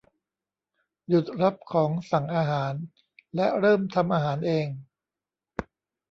หยุดรับของสั่งอาหารและเริ่มทำอาหารเอง !